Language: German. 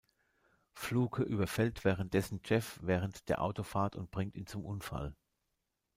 Fluke überfällt währenddessen Jeff während der Autofahrt und bringt ihn zum Unfall.